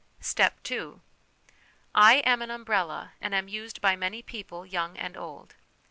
" Step II. " I am an umbrella, and am used by many people, young and old.